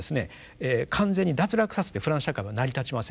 完全に脱落させてフランス社会は成り立ちません。